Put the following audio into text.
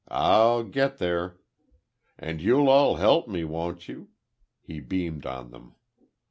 I'll get there! And you'll all help me, won't you?" he beamed on them.